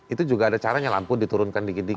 itu juga ada caranya lampu diturunkan dikit dikit